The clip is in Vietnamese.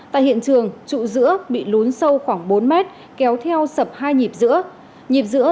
tại hiện trường trụ giữa bị lún sâu khoảng bốn mét kéo theo sập hai nhịp giữa